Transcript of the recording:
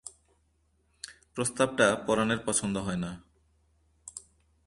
প্রস্তাবটা পরাণের পছন্দ হয় না।